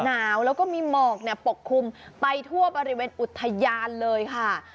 หนาวแล้วก็มีหมอกปกคลุมไปทั่วบริเวณอุทยานเลยค่ะ